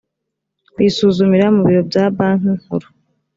kuyisuzumira mu biro bya banki nkuru